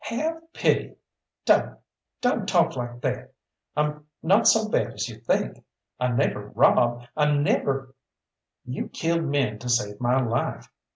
"Have pity! Don't! Don't talk like that I'm not so bad as you think I never robbed I never " "You killed men to save my life.